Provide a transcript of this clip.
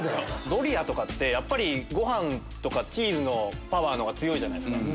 ドリアってご飯とかチーズのパワーが強いじゃないですか。